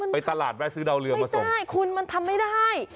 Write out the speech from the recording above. ไปตลาดไปซื้อเดาเรือมาส่งไม่ได้คุณมันทำไม่ได้